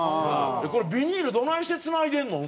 これビニールどないしてつないでんの？